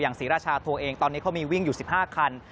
ศรีราชาตัวเองตอนนี้เขามีวิ่งอยู่๑๕คัน